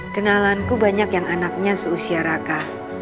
kenalanku banyak yang anaknya seusia raka